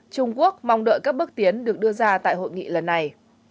trung quốc mong đợi các bước tiến được đưa ra tại hội nghị lần này